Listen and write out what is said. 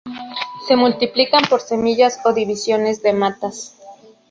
Se multiplican por semillas o división de matas.